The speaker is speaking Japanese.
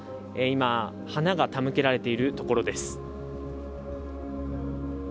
今、花が手向けられているところです。